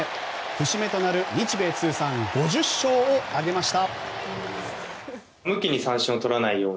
節目となる日米通算５０勝を挙げました。